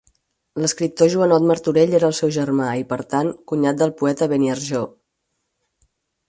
L'escriptor Joanot Martorell era el seu germà i, per tant, cunyat del poeta de Beniarjó.